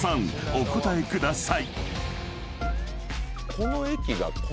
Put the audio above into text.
お答えください］